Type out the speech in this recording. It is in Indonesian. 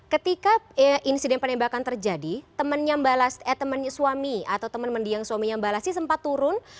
ketika insiden penembakan terjadi temen suami atau temen mendiang suami mbak lasti sempat turun